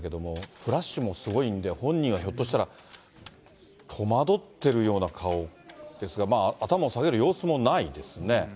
フラッシュもすごいんで、本人、ひょっとしたら戸惑ってるような顔ですが、まあ、頭を下げる様子もないですね。